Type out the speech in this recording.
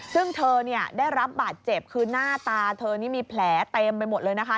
ซึ่งเธอเนี่ยได้รับบาดเจ็บคือหน้าตาเธอนี่มีแผลเต็มไปหมดเลยนะคะ